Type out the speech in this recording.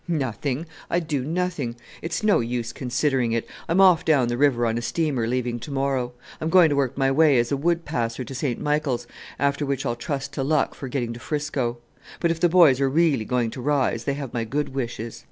"Nothing! I'd do nothing. It's no use considering it: I'm off down the river on a steamer leaving to morrow. I'm going to work my way as a wood passer to St. Michael's, after which I'll trust to luck for getting to 'Frisco. But if the boys are really going to rise, they have my good wishes.